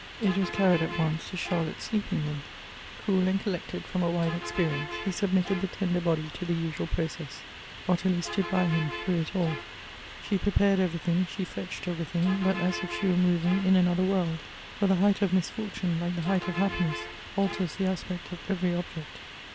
It was carried at once to Charlotte's sleeping rooin. Cool and collected from a wide experience, he submitted the tender body to the usual process. Ottilie stood by him, through it all. She prepared everything, she fetched everything, but as if she were moving in another world ; for the height 6f misfortune, like the height of happiness, alters the aspect of every object.